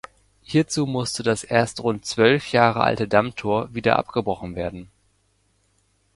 Hierzu musste das erst rund zwölf Jahre alte "Dammtor" wieder abgebrochen werden.